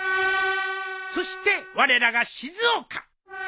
そしてわれらが静岡！